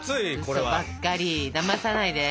うそばっかりだまさないで。